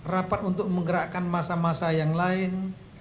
rapat untuk menggerakkan masa masa yang lain